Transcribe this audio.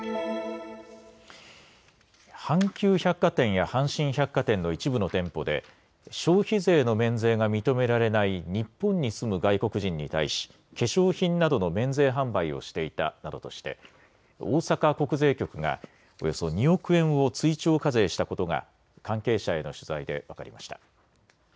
阪急百貨店や阪神百貨店の一部の店舗で消費税の免税が認められない日本に住む外国人に対し化粧品などの免税販売をしていたなどとして大阪国税局がおよそ２億円を追徴課税したことが関係者への取材で分かりました。